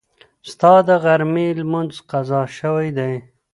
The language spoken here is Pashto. ستا د غرمې لمونځ قضا شوی دی.